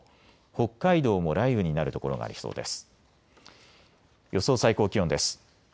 北海道も雷雨になる所がありそうです。